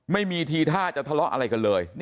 ไม่มีทีท่าจะทะเลาะอะไรกันเลย